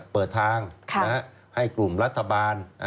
เปิดทางให้กลุ่มรัฐบาล